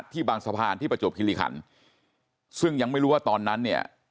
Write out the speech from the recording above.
บางสะพานที่ประจวบคิริขันซึ่งยังไม่รู้ว่าตอนนั้นเนี่ย